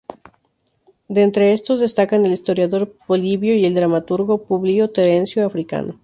De entre estos destacan el historiador Polibio y el dramaturgo Publio Terencio Africano.